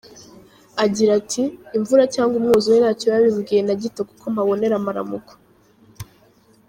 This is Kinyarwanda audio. Agira ati:'Imvura cyangwa umwuzure ntacyo biba bimbwiye na gito kuko mpabonera amaramuko.